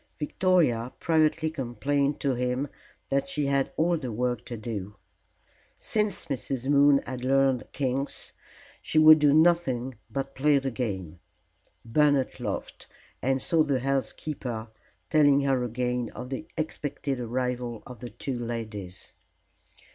Victoria privately complained to him that she had all the work to do. Since Mrs. Moon had learned "Kings" she would do nothing but play the game. Bernard laughed, and saw the housekeeper, telling her again of the expected arrival of the two ladies.